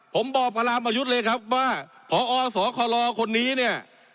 ผมบอกพระรามประยุทธ์เลยครับว่าพอสคลคนนี้เนี่ย